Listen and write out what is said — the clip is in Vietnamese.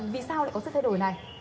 vì sao lại có sự thay đổi này